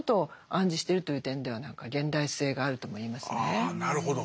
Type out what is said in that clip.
あなるほど。